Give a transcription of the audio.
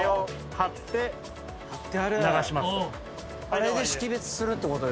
あれで識別するってこと？